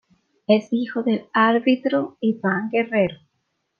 Es hijo del árbitro Iván Guerrero.